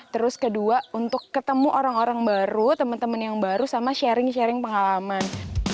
terus kedua untuk ketemu orang orang baru teman teman yang baru sama sharing sharing pengalaman